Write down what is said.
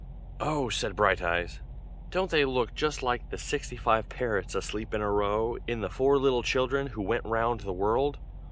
"Oh!" said Brighteyes. "Don't they look just like the sixty five parrots asleep in a row, in the 'Four Little Children who went round the world?'